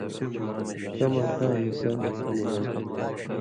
کماں تاں حِصہ نی ہو تُھو،